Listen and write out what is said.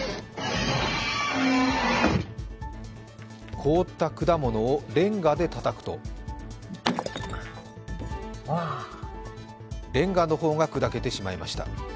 凍った果物をれんがでたたくとれんがの方が砕けてしまいました。